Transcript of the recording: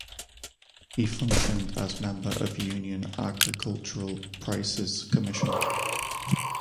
He functioned as member of Union Agricultural prices Commission.